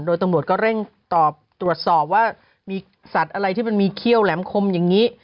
โดยตำรวจก็เร่งตอบตรวจสอบว่ามีสัตว์อะไรที่มันมีเขี้ยวแหลมคมอย่างนี้